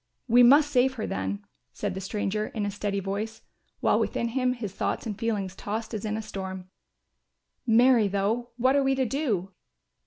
"We must save her then," said the stranger in a steady voice, while within him his thoughts and feelings tossed as in a storm. "Marry though, what are we to do?"